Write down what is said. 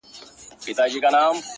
چي کاته چي په کتو کي را ايسار دي-